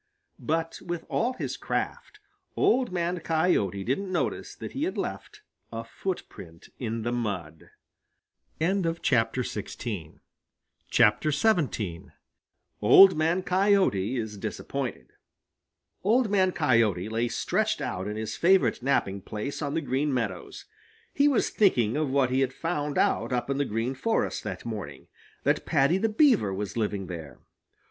But with all his craft, Old Man Coyote didn't notice that he had left a footprint in the mud. XVII OLD MAN COYOTE IS DISAPPOINTED Old Man Coyote lay stretched out in his favorite napping place on the Green Meadows. He was thinking of what he had found out up in the Green Forest that morning that Paddy the Beaver was living there.